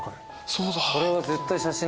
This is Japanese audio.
そうだ。